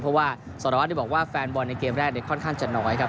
เพราะว่าสารวัตรบอกว่าแฟนบอลในเกมแรกค่อนข้างจะน้อยครับ